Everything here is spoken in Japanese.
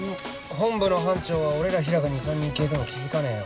本部の班長は俺らヒラが２３人消えても気付かねえよ。